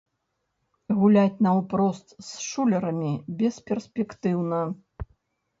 Гуляць наўпрост з шулерамі бесперспектыўна.